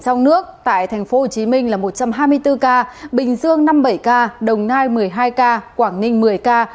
trong nước tại tp hcm là một trăm hai mươi bốn ca bình dương năm mươi bảy ca đồng nai một mươi hai ca quảng ninh một mươi ca